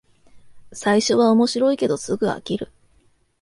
最初は面白いけどすぐ飽きる